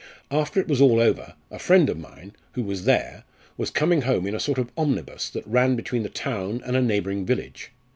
After it was all over, a friend of mine, who was there, was coming home in a sort of omnibus that ran between the town and a neighbouring village.